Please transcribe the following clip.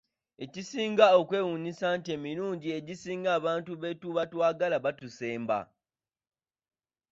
Ekisinga okwewuunyisa nti emirundi egisinga abantu be tuba twagala batusembe.